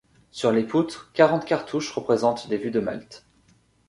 Sur les poutres, quarante cartouches représentent des vues de Malte.